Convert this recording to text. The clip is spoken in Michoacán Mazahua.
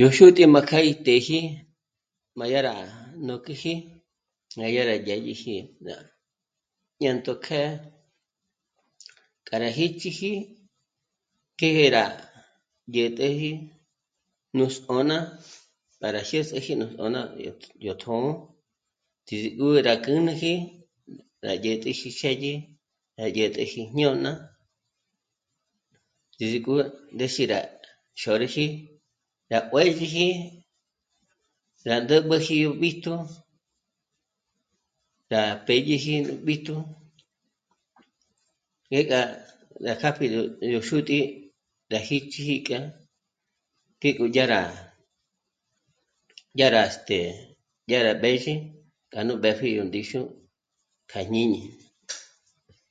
Yó xútǐ'i má kjâ'a í të̌ji má dyá rá jnǒküji, nà dyà rá yá yèji, ná 'ñânto kjë̌'ë k'a rá jíchiji k'e rá dyä̀t'äji nú s'ǒ'n'a para jyés'eji nó s'ǒ'n'a yó t... yó tjō̌'ō ndízik'o rá k'ǚjnüji rá dyä̀t'äji xë́dyi, rá dyä̀t'äji jñôn'a, ndízik'o ndéxi rá xôrüji rá juë̌zhiji, rá ndä̀b'äji yó b'íjtu, rá pédyeji nú b'íjtu, jé gá rá kjâ'a pǘgü ne yó xútǐ'i, rá jíchiji kja té'ek'o dyá rá, dyá rá este... dya rá b'ézhi k'anu b'ë́pji yó ndíxu k'a jñíñi